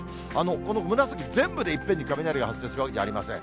この紫全部でいっぺんに雷が発生するわけではありません。